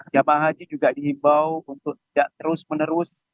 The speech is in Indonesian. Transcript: jamaah haji juga dihimbau untuk tidak terus menerus